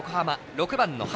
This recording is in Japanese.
６番の萩。